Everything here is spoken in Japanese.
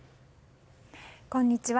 こんにちは。